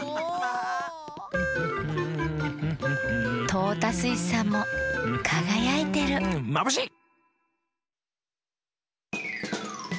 トータスイスさんもかがやいてるまぶしい！